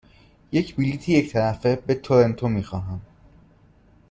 یک بلیط یک طرفه به تورنتو می خواهم.